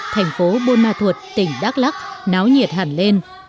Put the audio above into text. thành phố bôn ma thuột tỉnh đắk lắk náo nhiệt hẳn lên